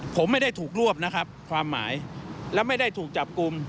ผมไม่ได้ถูกรวบนะครับความหมายและไม่ได้ถูกจับกลุ่ม